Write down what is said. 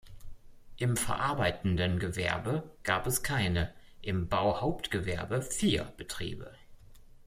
Im verarbeitenden Gewerbe gab es keine, im Bauhauptgewerbe vier Betriebe.